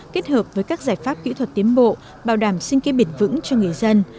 kết hợp với các giải pháp kỹ thuật tiến bộ bảo đảm sinh kế biển vững cho người dân